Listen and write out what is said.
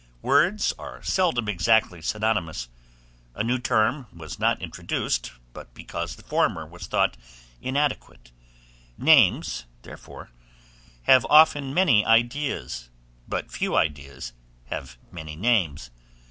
Words are seldom exactly synonymous; a new term was not introduced, but because the former was thought inadequate: names, therefore, have often many ideas, but few ideas have many names.